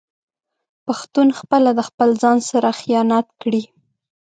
پښتون خپله د خپل ځان سره خيانت کړي